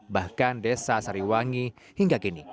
bahkan desa sariwangi hingga kini